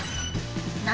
何？